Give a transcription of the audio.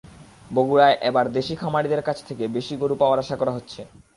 বগুড়ায় এবার দেশি খামারিদের কাছ থেকে বেশি গরু পাওয়ার আশা করা হচ্ছে।